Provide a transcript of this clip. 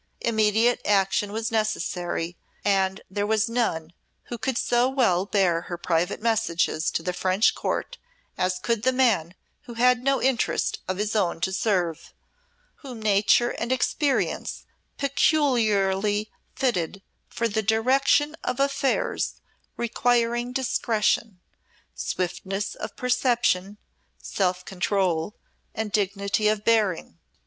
Immediate action was necessary, and there was none who could so well bear her private messages to the French Court as could the man who had no interest of his own to serve, whom Nature and experience peculiarly fitted for the direction of affairs requiring discretion, swiftness of perception, self control, and dignity of bearing.